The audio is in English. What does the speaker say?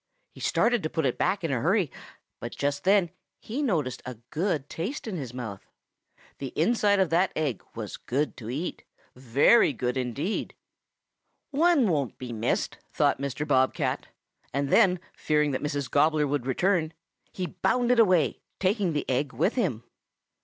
He started to put it back in a hurry, but just then he noticed a good taste in his mouth. The inside of that egg was good to eat, very good indeed! "'One won't be missed,' thought Mr. Bob cat, and then, fearing that Mrs. Gobbler would return, he bounded away, taking the egg with him.